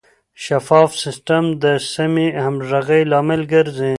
شفاف سیستم د سمې همغږۍ لامل ګرځي.